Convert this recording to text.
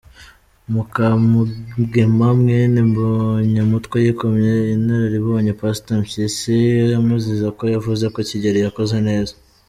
Mukamugema mwene Mbonyumutwa yikomye inaralibonye pasteur Mpyisi amuziza ko yavuzeko Kigeli yakoze neza.